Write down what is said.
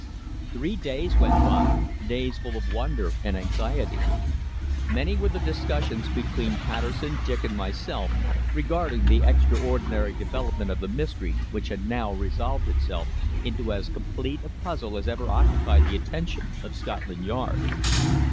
Three days went by, days full of wonder and anxiety. Many were the discussions between Patterson, Dick and myself regarding the extraordinary development of the mystery which had now resolved itself into as complete a puzzle as ever occupied the attention of Scotland Yard.